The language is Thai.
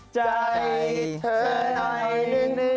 ใช้ปรับ